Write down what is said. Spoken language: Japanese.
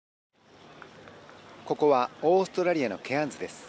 ここはオーストラリアのケアンズです。